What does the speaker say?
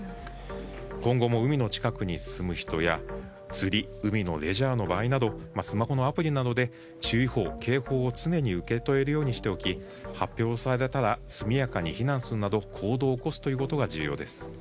今後も海の近くに住む人や釣り、海のレジャーの場合などスマホのアプリなどで注意報・警報を常に受け取れるようにしておき発表されたら速やかに避難するなど行動を起こすことが重要です。